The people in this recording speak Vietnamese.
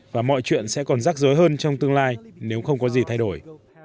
và mọi chuyện sẽ còn rắc rối hơn trong tương lai nếu không có gì thay đổi